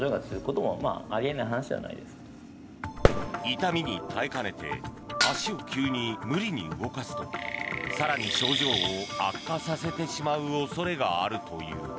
痛みに耐えかねて足を急に無理に動かすと更に症状を悪化させてしまう恐れがあるという。